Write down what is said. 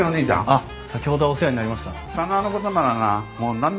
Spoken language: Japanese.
あっ先ほどはお世話になりました。